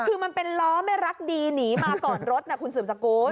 คือมันเป็นล้อไม่รักดีหนีมาก่อนรถนะคุณสืบสกุล